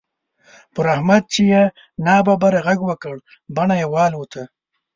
پر احمد چې يې ناببره غږ وکړ؛ بڼه يې والوته.